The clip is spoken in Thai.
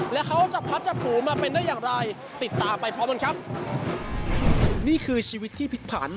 แล้วเขาจะพัดจับผูมาเป็นได้อย่างไรติดตามไปพร้อมกันครับนี่คือชีวิตที่พลิกผัน